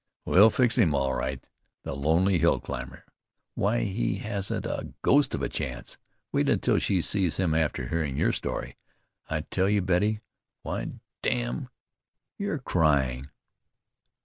"We'll fix him all right, the lonely hill climber! Why, he hasn't a ghost of a chance. Wait until she sees him after hearing your story! I tell you, Betty why damme! you're crying!"